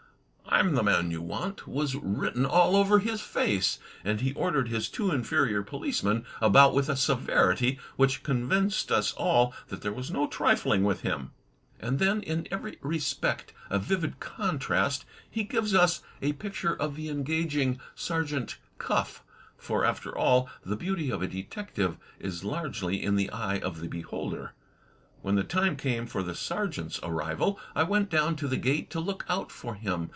"I'm the man you want," was written all over his face; and he ordered his two inferior policemen about with a severity which con vinced us all that there was no trifling with him. And then, in every respect a vivid contrast, he gives us a picture of the engaging Sergeant Cuff, for after all, the beauty of a detective is largely in the eye of the beholder. When the time came for the Sergeant's arrival I went down to the gate to look out for him.